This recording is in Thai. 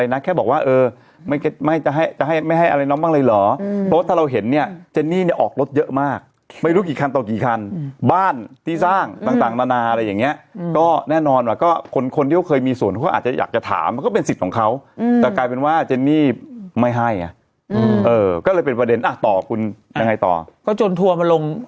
นี่ทำท่าจุดจ้องทำมือป้องไปส่องไปมาอยู่คนเดียวจบคนอื่นต้องขอตามไปส่องดูด้วย